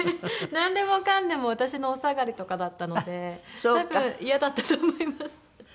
なんでもかんでも私のお下がりとかだったので多分イヤだったと思います。